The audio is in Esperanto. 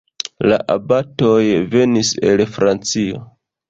La abatoj venis el Francio.